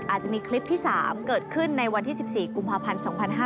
อาจจะมีคลิปที่๓เกิดขึ้นในวันที่๑๔กุมภาพันธ์๒๕๕๙